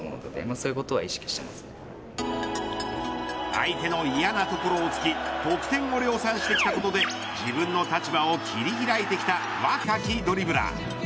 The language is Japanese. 相手の嫌なところを突き得点を量産することで自分の立場を切り開いてきた若きドリブラー。